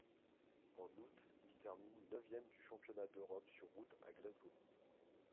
En août, il termine neuvième du championnat d'Europe sur route à Glasgow.